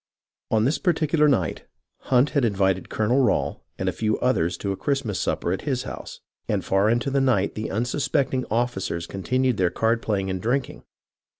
On this particular night, Hunt had invited Colonel Rail and a few others to a "Christmas supper" at his house, and far into the night the unsuspecting officers continued their card playing and drinking.